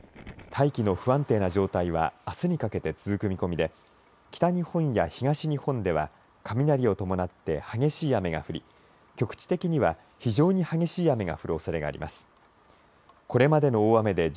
大気の不安定な状態はあすにかけて続く見込みで北日本や東日本では雷を伴って激しい雨が降り局地的には非常に激しい雨が降るおそれがあります。